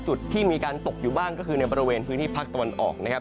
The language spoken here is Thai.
จุดที่มีการตกอยู่บ้างก็คือในบริเวณพื้นที่ภาคตะวันออกนะครับ